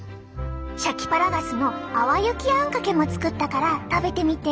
シャキパラガスの淡雪あんかけも作ったから食べてみて。